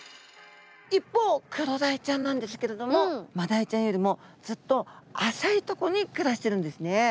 一方クロダイちゃんなんですけれどもマダイちゃんよりもずっと浅いとこに暮らしてるんですね。